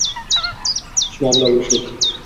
Xushmuomala bo‘lishlik.